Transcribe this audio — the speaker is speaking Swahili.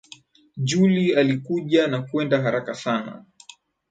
Julie alikuja na kwenda haraka sana